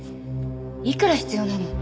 いくら必要なの？